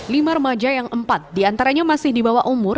lima remaja yang empat diantaranya masih di bawah umur